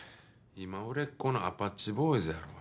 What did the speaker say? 今売れっ子のアパッチボーイズやろ？